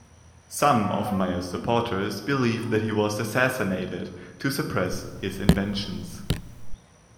Some of Meyer's supporters believe that he was assassinated to suppress his inventions.